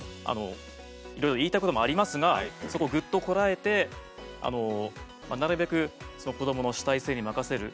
いろいろ言いたいこともありますがそこをグッとこらえてなるべく子どもの主体性に任せる。